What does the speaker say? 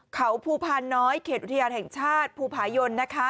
เขาภูพานน้อยเขตอุทยานแห่งชาติภูผายน